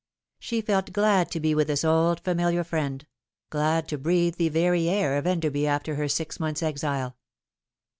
She felt glad to be with this old familiar friend glad to breathe the very air of Enderby after her six months' exile.